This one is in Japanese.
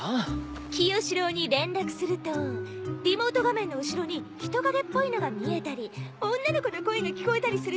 清司郎に連絡するとリモート画面の後ろに人影っぽいのが見えたり女の子の声が聞こえたりするじゃない？